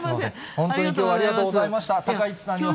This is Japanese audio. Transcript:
本当にきょうはありがとうございました。